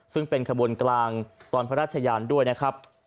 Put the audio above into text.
ซึ่งเป็นขบวนกลางตอนพระราชยานด้วยนะครับ